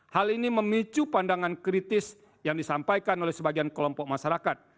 hal ini memicu pandangan kritis yang disampaikan oleh sebagian kelompok masyarakat